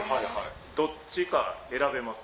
どっちか選べます。